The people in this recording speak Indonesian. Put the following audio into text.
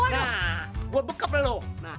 nah buat backup leho